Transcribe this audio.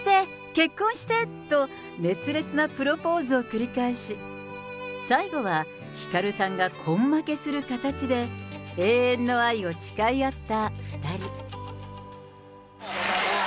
結婚して！と熱烈なプロポーズを繰り返し、最後はひかるさんが根負けする形で、永遠の愛を誓い合った２人。